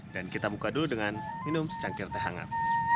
dan kita buka dulu dengan minum secangkir teh hangat